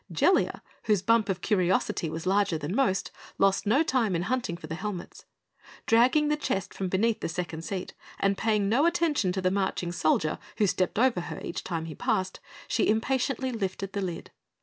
Jellia, whose bump of curiosity was larger than most, lost no time hunting for the helmets. Dragging the chest from beneath the second seat and paying no attention to the marching soldier, who stepped over her each time he passed, she impatiently lifted the lid.